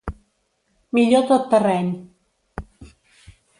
Millor tot terreny.